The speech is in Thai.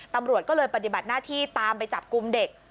ตำรวจก็เลยปฏิบัติหน้าที่ตามไปจับกลุ่มเด็ก